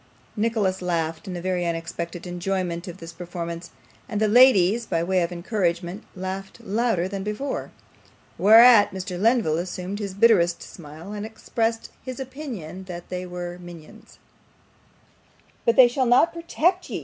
Nicholas laughed in very unexpected enjoyment of this performance; and the ladies, by way of encouragement, laughed louder than before; whereat Mr. Lenville assumed his bitterest smile, and expressed his opinion that they were 'minions'. 'But they shall not protect ye!